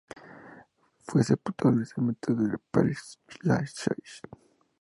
Fue sepultado en el cementerio del Pere-Lachaise.